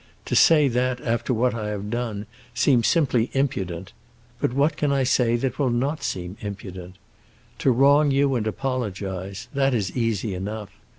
To say that, after what I have done, seems simply impudent; but what can I say that will not seem impudent? To wrong you and apologize—that is easy enough.